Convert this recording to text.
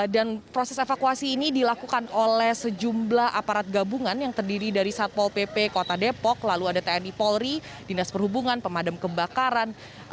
dan proses evakuasi ini dilakukan oleh sejumlah aparat gabungan yang terdiri dari satpol pp kota depok lalu ada tni polri dinas perhubungan pemadam kebakaran